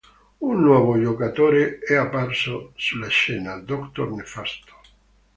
Un nuovo giocatore è apparso sulla scena, Doctor Nefasto.